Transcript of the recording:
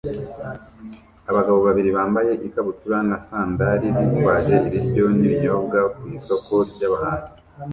Abagabo babiri bambaye ikabutura na sandali bitwaje ibiryo n'ibinyobwa ku isoko ry'abahinzi